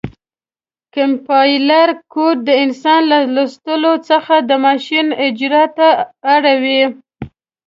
کمپایلر کوډ د انسان له لوستلو څخه د ماشین اجرا ته اړوي.